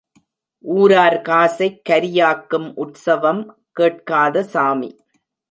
ஊரார் காசைக் கரியாக்கும் உற்சவம் கேட்காத சாமி!